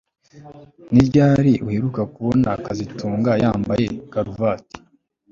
Ni ryari uheruka kubona kazitunga yambaye karuvati